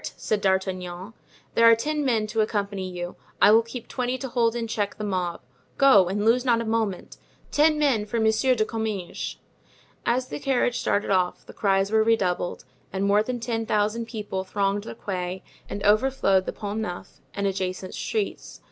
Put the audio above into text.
said D'Artagnan. "There are ten men to accompany you. I will keep twenty to hold in check the mob; go, and lose not a moment. Ten men for Monsieur de Comminges." As the carriage started off the cries were redoubled and more than ten thousand people thronged the Quai and overflowed the Pont Neuf and adjacent streets.